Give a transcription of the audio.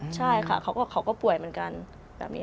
ใช่ค่ะเขาก็ป่วยเหมือนกันแบบนี้